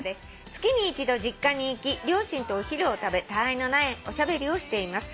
「月に一度実家に行き両親とお昼を食べたわいのないおしゃべりをしています」